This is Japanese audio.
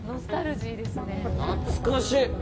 懐かしい。